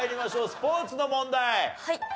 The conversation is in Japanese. スポーツの問題。